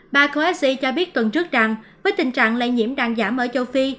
bà coexi cho biết tuần trước rằng với tình trạng lây nhiễm đang giảm ở châu phi